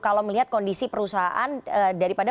kalau melihat kondisi perusahaan daripada